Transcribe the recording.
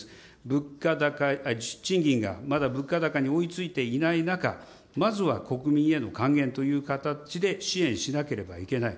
物価高、賃金がまだ物価高に追いついていない中、まずは国民への還元という形で支援しなければいけない。